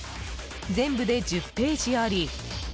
全部で１０ページあり